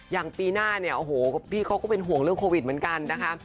อย่างปีหน้าเนี่ยโอ้โหพี่เขาก็เป็นห่วงเรื่องโควิดเหมือนกันนะคะ